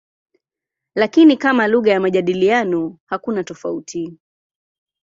Lakini kama lugha ya majadiliano hakuna tofauti.